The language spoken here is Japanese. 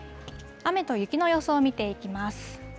雨と雪の予想を見ていきます。